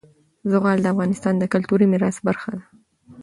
زغال د افغانستان د کلتوري میراث برخه ده.